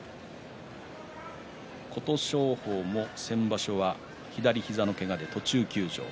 琴勝峰も、先場所は左膝のけがで途中休場。